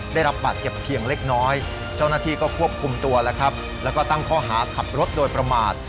ได้รับบาดเจ็บเพียงเล็กน้อยเจ้าหน้าที่ก็ควบคุมตัวแล้วครับแล้วก็ตั้งข้อหาขับรถโดยประมาท